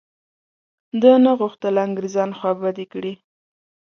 ده نه غوښتل انګرېزان خوابدي کړي.